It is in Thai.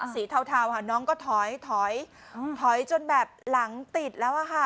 เทาค่ะน้องก็ถอยถอยจนแบบหลังติดแล้วอะค่ะ